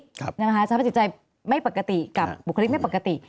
สภาพจิตใจไม่ปกติกับบุคลิกไม่ปกติ